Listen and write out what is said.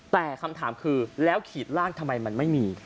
แต่คำถามคือแล้วขีดล่างทำไมมันไม่มี